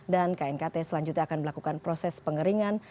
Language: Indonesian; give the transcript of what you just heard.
dan knkt selanjutnya akan melakukan proses pengeringan